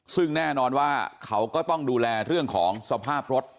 ซึ่งแน่นอนว่าเขาก็ต้องดูแลเรื่องของสภาพรถ